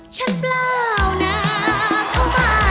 แพ้น้ำแพ้น้ำ